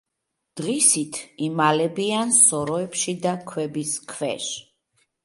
დღისით იმალებიან სოროებში და ქვების ქვეშ.